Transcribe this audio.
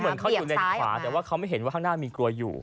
เหมือนเขาอยู่เลนขวาแต่ว่าเขาไม่เห็นว่าข้างหน้ามีกลวยอยู่